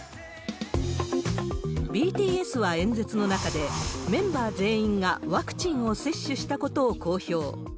ＢＴＳは演説の中で、メンバー全員がワクチンを接種したことを公表。